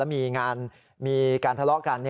และมีงานมีการทะเลาะกัน